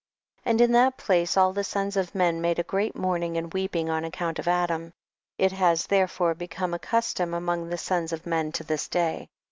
15. And in that place all the sons of men made a great mourning and weeping on account of Adam ; it has therefore become a custom among the sons of men to this day.